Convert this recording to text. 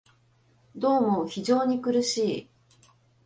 どうも非常に苦しい